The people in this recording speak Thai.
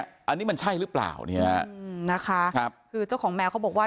อันนี้มันใช่หรือเปล่าเนี่ยนะคะครับคือเจ้าของแมวเขาบอกว่า